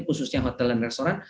khususnya hotel dan restoran